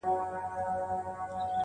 چاویل چي بم ښایسته دی ښه مرغه دی-